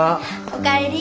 おかえり。